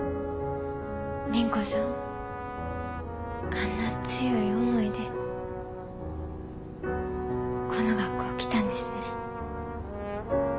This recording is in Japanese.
倫子さんあんな強い思いでこの学校来たんですね。